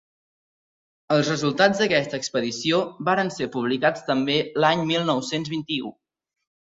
Els resultats d'aquesta expedició varen ser publicats també l'any mil nou-cents vint-i-u.